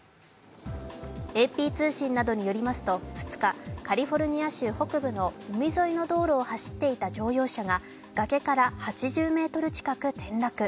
ＡＰ通信などによりますと２日、カリフォルニア州北部の海沿いの道路を走っていた乗用車が崖から８０ｍ近く転落。